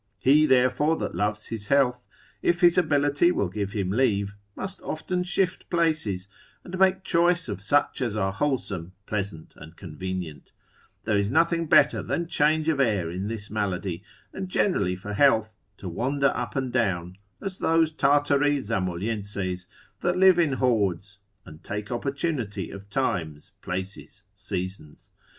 He therefore that loves his health, if his ability will give him leave, must often shift places, and make choice of such as are wholesome, pleasant, and convenient: there is nothing better than change of air in this malady, and generally for health to wander up and down, as those Tartari Zamolhenses, that live in hordes, and take opportunity of times, places, seasons.